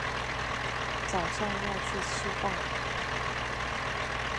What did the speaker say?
早上要去吃饭